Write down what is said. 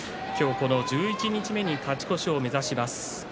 十一日目に勝ち越しを目指します。